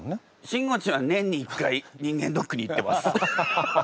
しんごちんは年に１回人間ドックに行ってます。